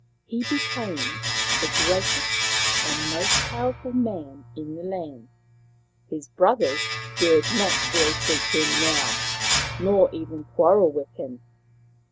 He be came the greatest and most powerful man in the land. His brothers dared not ill treat him now, nor even quarrel with him.